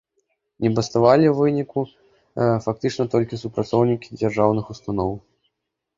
Не баставалі ў выніку фактычна толькі супрацоўнікі дзяржаўных устаноў.